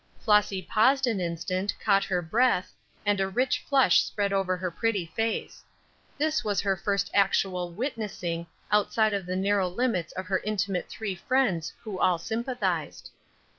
Flossy paused an instant, caught her breath, and a rich flush spread over her pretty face. This was her first actual "witnessing" outside of the narrow limits of her intimate three friends who all sympathized.